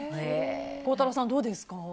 孝太郎さん、どうですか？